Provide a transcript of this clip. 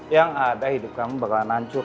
yang ada hidup kamu bakalan hancur